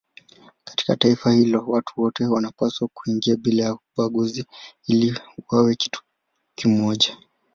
Katika taifa hilo watu wote wanapaswa kuingia bila ya ubaguzi ili wawe kitu kimoja.